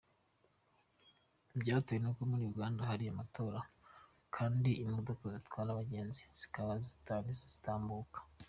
Byatewe n’uko muri Uganda hari amatora kandi imodoka zitwara abagenzi zikaba zitari gutambuka.